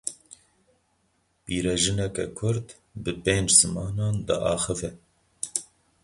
Pîrejineke Kurd bi pênc zimanan diaxive.